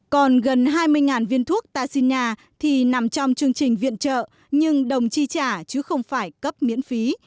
còn gần hai mươi viên thuốc taxi nhà thì nằm trong chương trình viện trợ nhưng đồng chi trả chứ không phải cấp miễn phí